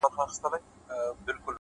صبر د ستونزو شور اراموي؛